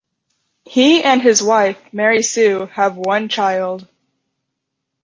He and his wife Mary Sue have one child.